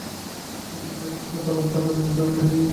একটা চেয়ারে বসে তামাক টানতে টানতে তিনি নানান কথা বলতে লাগলেন।